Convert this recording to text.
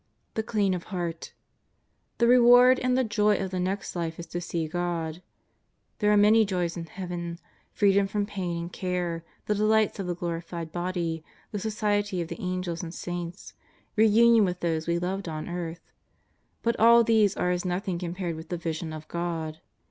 The clean of heart. The reward and the joy of the next life is to see God. There are many joys in Heaven — freedom from pain and care, the delights of the glori fied body, the society of the Angels and Saints, reunion with those we loved on earth. But all these are as nothing compared with the Vision of God.